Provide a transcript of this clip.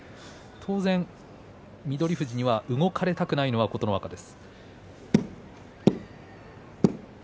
富士に動かれたくないのは琴ノ若です。